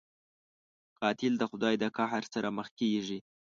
قاتل د خدای د قهر سره مخ کېږي